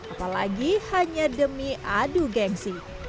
apalagi hanya demi adu gengsi